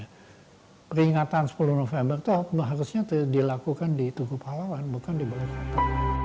jadi peringatan sepuluh november itu harusnya dilakukan di tugu pahlawan bukan di balai kata